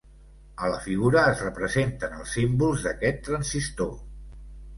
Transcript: A la figura es representen els símbols d'aquest transistor.